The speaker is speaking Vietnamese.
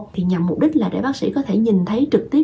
thì nhằm mục đích là để bác sĩ có thể nhìn thấy trực tiếp